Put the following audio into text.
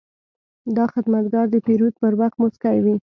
دا خدمتګر د پیرود پر وخت موسکی وي.